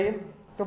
tôi bảo không biết